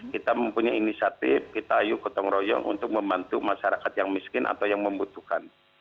kita mempunyai inisiatif kita ayo gotong royong untuk membantu masyarakat yang miskin atau yang membutuhkan